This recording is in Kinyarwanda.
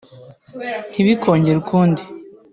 Ntibikongere ukundi